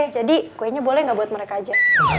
jadi kuenya boleh gak buat mereka aja